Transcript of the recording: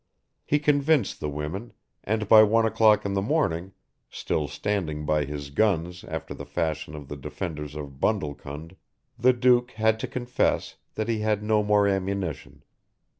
He convinced the women, and by one o'clock in the morning, still standing by his guns after the fashion of the defenders of Bundlecund, the Duke had to confess that he had no more ammunition.